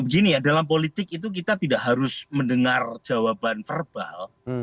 begini ya dalam politik itu kita tidak harus mendengar jawaban verbal